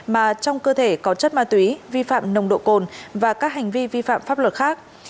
mà trong cơ thể có chất ma túy vi phạm nồng độ cồn và các hành vi vi phạm pháp luật khác